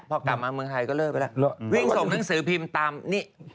พอกลับมาเมืองไทยก็เลิกไปแล้ววิ่งส่งหนังสือพิมพ์ตามนี่